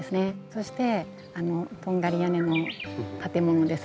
そしてあのとんがり屋根の建物ですね。